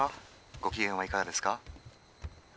ご機嫌はいかがですか？